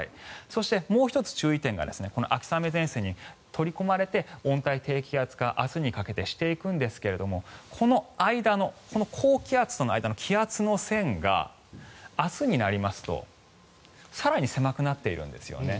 そして、もう１つ注意点が秋雨前線に取り込まれて温帯低気圧化明日にかけてしていくんですがこの間の高気圧との間の気圧の線が明日になりますと更に狭くなっているんですよね。